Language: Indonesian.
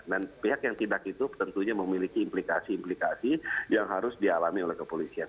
dan pihak yang tindak itu tentunya memiliki implikasi implikasi yang harus dialami oleh kepolisian